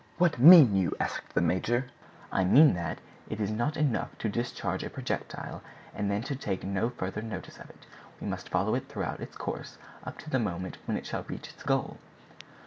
"What mean you?" asked the major. "I mean that it is not enough to discharge a projectile, and then take no further notice of it; we must follow it throughout its course, up to the moment when it shall reach its goal."